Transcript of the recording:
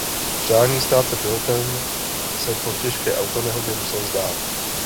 Přání stát se pilotem se po těžké autonehodě musel vzdát.